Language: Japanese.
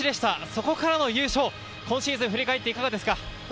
そこからの優勝、今シーズンを振り返っていかがですか？